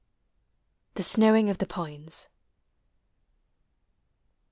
"THE SNOWING OF THE PINES."